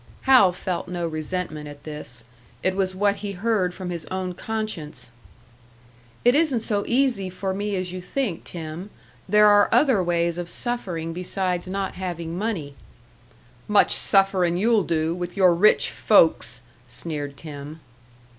Hal felt no resentment at this; it was what he heard from his own conscience. "It isn't so easy for me as you think, Tim. There are other ways of suffering besides not having money " "Much sufferin' you'll do with your rich folks!" sneered Tim.